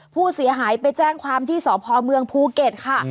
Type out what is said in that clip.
ผู้เสียหายไปแจ้งความที่สพเมืองภูเก็ตค่ะ